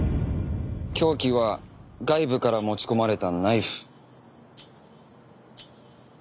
凶器は外部から持ち込まれたナイフ。